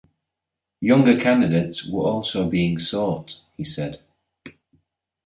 Younger candidates were also being sought, he said.